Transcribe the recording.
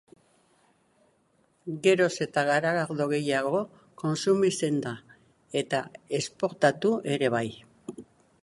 Geroz eta garagardo gehiago kontsumitzen da, eta esportatu ere bai.